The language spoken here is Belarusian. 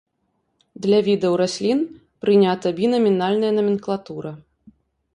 Для відаў раслін прынята бінамінальная наменклатура.